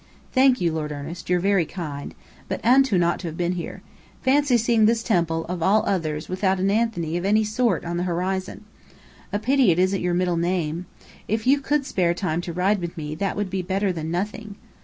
"Thank you, Lord Ernest. You're very kind. But Antoun ought to have been here. Fancy seeing this temple, of all others, without an Anthony of any sort on the horizon! A pity it isn't your middle name! If you could spare time to ride with me, that would be better than nothing!"